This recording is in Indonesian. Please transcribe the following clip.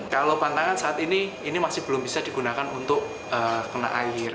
kalau pantangan saat ini ini masih belum bisa digunakan untuk kena air